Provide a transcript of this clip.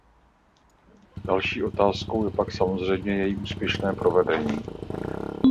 Další otázkou je pak samozřejmě její úspěšné provedení.